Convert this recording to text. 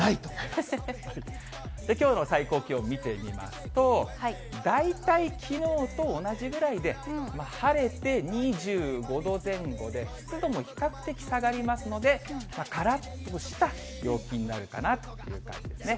で、きょうの最高気温を見てみますと、大体きのうと同じぐらいで、晴れて、２５度前後で、湿度も比較的下がりますので、からっとした陽気になるかなという感じですね。